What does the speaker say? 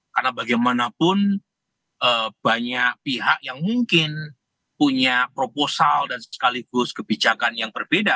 karena bagaimanapun banyak pihak yang mungkin punya proposal dan sekaligus kebijakan yang berbeda